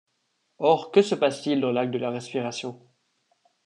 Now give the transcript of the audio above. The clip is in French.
Or, que se passe-t-il dans l’acte de la respiration ?